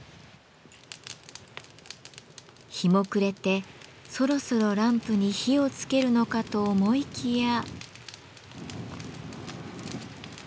日も暮れてそろそろランプに火をつけるのかと思いきや。